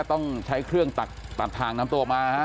ต้องใช้เครื่องตัดทางนำตัวออกมาฮะ